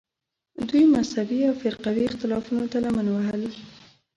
دوی مذهبي او فرقوي اختلافونو ته لمن وهل